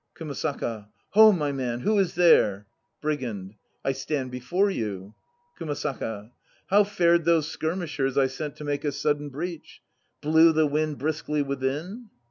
KUMASAKA. Ho, my man! Who is there? BRIGAND. I stand before you. KUMASAKA. How fared those skirmishers I sent to make a sudden breach? Blew wind briskly within?